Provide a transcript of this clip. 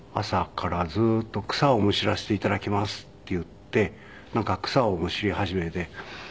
朝からずっと「草をむしらせていただきます」って言ってなんか草をむしり始めて。